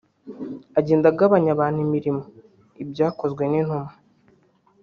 agenda anagabanya abantu imirimo (Ibyakozwe n’intumwa )